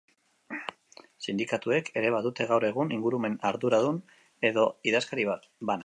Sindikatuek ere badute gaur egun ingurumen arduardun edo idazkari bana.